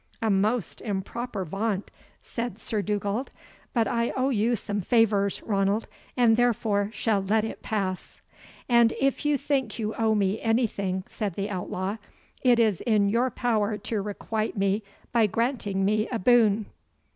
"A most improper vaunt," said Sir Dugald; "but I owe you some favours, Ranald, and therefore shall let it pass." "And if you think you owe me anything," said the outlaw, "it is in your power to requite me by granting me a boon."